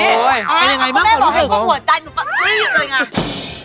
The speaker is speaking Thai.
เป็นอย่างไรบ้างของรู้สึกผมโอ้ยพี่แม่บอกว่าผมหัวใจหนูปรับเกลี้ยงเลยไง